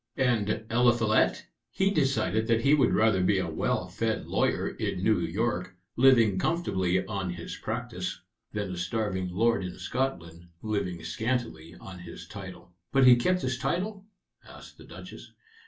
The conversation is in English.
And Eliphalet, he decided that he would rather be a well fed lawyer in New York, living comfortably on his practice, than a starving lord in Scotland, living scantily on his title." "But he kept his title?" asked the Duchess.